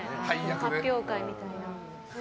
発表会みたいな。